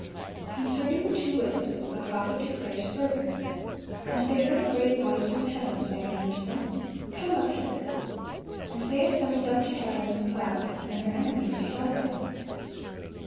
(424) Concerning the two witnesses the prophet declares further: "And they heard a great voice from heaven saying unto them, Come up hither. And they ascended up to heaven in a cloud; and their enemies beheld them."